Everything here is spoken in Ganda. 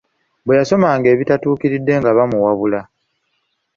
Bwe yasomanga ebitatuukiridde nga bamuwabula.